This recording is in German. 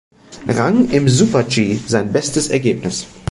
Rang im Super-G sein bestes Ergebnis.